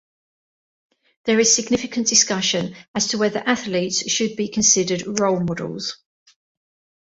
There is significant discussion as to whether athletes should be considered role models.